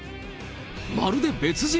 まるで別人。